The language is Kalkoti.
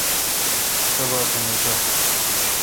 تباتھ نہ چو۔